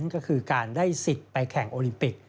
ก็คือการได้สิทธิ์ไปแข่งโอลิมปิก